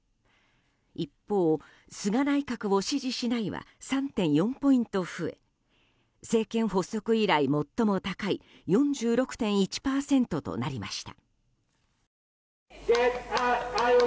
一方、菅内閣を支持しないは３．４ポイント増え政権発足以来、最も高い４６．１％となりました。